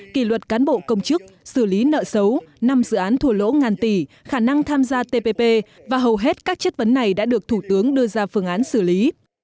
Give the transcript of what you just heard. kỳ luật cán bộ công chức xử lý nợ xấu năm dự án thùa lỗ ngàn tỷ khả năng tham gia tpp và hầu hết các chất vấn này đã được thủ tướng đưa ra phương án xử lý